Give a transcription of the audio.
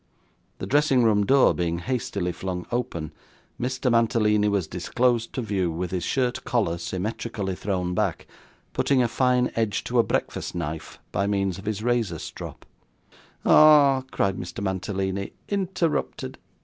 The dressing room door being hastily flung open, Mr. Mantalini was disclosed to view, with his shirt collar symmetrically thrown back: putting a fine edge to a breakfast knife by means of his razor strop. 'Ah!' cried Mr. Mantalini, 'interrupted!